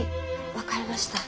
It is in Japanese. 分かりました。